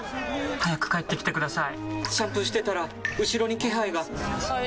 早く帰ってきてください！